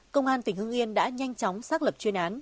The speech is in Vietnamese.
công an tỉnh hưng yên đã nhanh chóng xác lập chuyên án